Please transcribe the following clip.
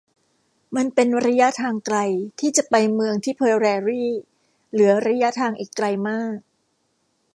มันเป็นระยะทางไกลที่จะไปเมืองทิเพอะแรริเหลือระยะทางอีกไกลมาก